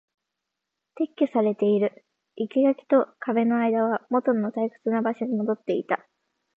撤去されている。生垣と壁の間はもとの退屈な場所に戻っていた。